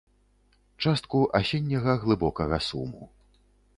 Частку асенняга глыбокага суму.